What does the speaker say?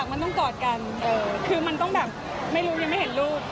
มันต้องกอดกันคือมันต้องแบบไม่รู้ยังไม่เห็นรูป